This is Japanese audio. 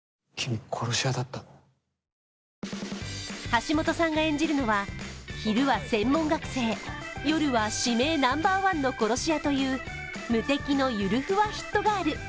橋本さんが演じるのは、昼は専門学生、夜は指名ナンバーワンの殺し屋という無敵のゆるふわヒットガール。